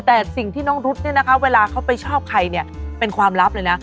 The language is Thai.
แต่สิ่งที่น้องรุ๊ดเนี่ยนะคะเวลาเขาไปชอบใครเนี่ยเป็นความลับเลยนะ